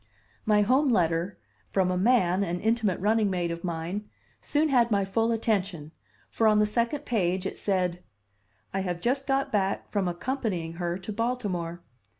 My home letter, from a man, an intimate running mate of mine, soon had my full attention, for on the second page it said: "I have just got back from accompanying her to Baltimore.